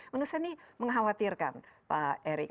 menurut saya ini mengkhawatirkan pak erik